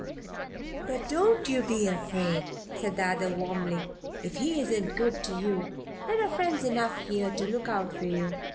"But don't you be afraid," said the other, warmly. "If he isn't good to you there are friends enough here to look out for you.